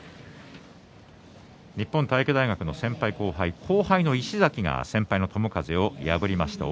日本体育大学の先輩、後輩後輩の石崎は先輩の友風を破りました。